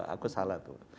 aku salah tuh